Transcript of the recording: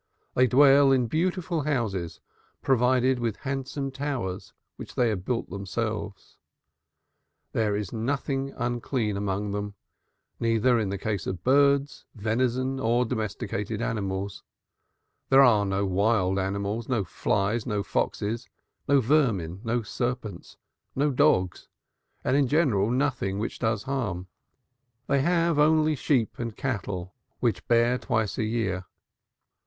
They dwell in beautiful houses provided with handsome towers, which they have built themselves. There is nothing unclean among them, neither in the case of birds, venison nor domesticated animals; there are no wild animals, no flies, no foxes, no vermin, no serpents, no dogs, and in general, nothing which does harm; they have only sheep and cattle, which bear twice a year.